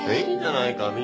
いいじゃないか。